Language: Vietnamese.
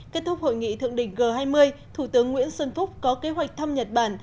kết thúc hội nghị thượng đỉnh g hai mươi thủ tướng nguyễn xuân phúc có kế hoạch thăm nhật bản